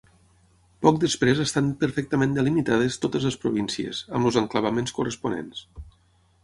Poc després estan perfectament delimitades totes les províncies, amb els enclavaments corresponents.